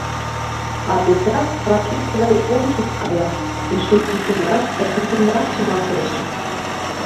А «Беда» ракета гай ончыко кая, эше писынрак да писынрак чымалтеш.